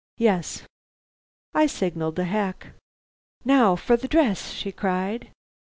"Yes." I signalled a hack. "Now for the dress!" she cried.